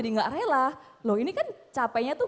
gak rela loh ini kan capeknya tuh